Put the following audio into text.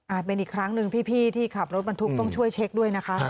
เป็นอีกครั้งหนึ่งพี่ที่ขับรถบรรทุกต้องช่วยเช็คด้วยนะคะ